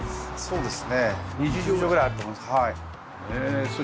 そうです。